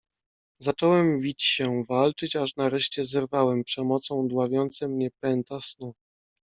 "Zacząłem wić się, walczyć aż nareszcie zerwałem przemocą dławiące mnie pęta snu."